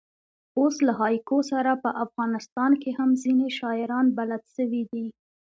اوس له هایکو سره په افغانستان کښي هم ځیني شاعران بلد سوي دي.